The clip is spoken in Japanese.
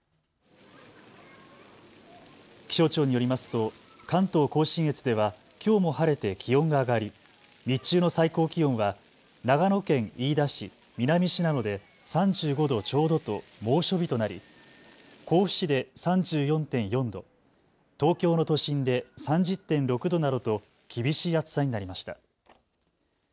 気象庁によりますと関東甲信越ではきょうも晴れて気温が上がり日中の最高気温は長野県飯田市南信濃で３５度ちょうどと猛暑日となり、甲府市で３４．４度、東京の都心で３０．６度などと厳しい暑さになりました。